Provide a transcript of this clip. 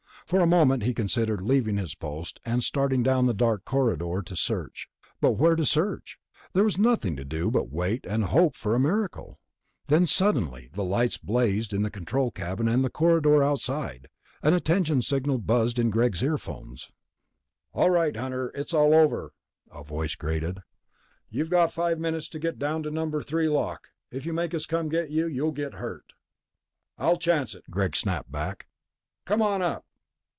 For a moment he considered leaving his post and starting down the dark corridor to search ... but where to search? There was nothing to do but wait and hope for a miracle. Then suddenly the lights blazed on in the control cabin and the corridor outside. An attention signal buzzed in Greg's earphones. "All right, Hunter, it's all over," a voice grated. "You've got five minutes to get down to No. 3 lock. If you make us come get you, you'll get hurt." "I'll chance it," Greg snapped back. "Come on up."